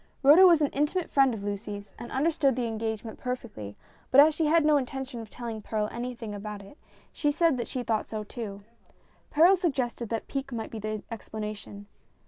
Rhoda was an intimate friend of Lucy's, and understood the engagement perfectly, but as she had no intention of telling Perral anything whatever about it, she said that she thought so, too. Perral suggested that pique might be the explanation.